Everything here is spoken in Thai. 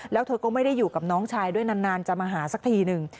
แล้วเธอก็ไม่ได้อยู่กับน้องชายด้วยนานจะมาหาสักทีหนึ่ง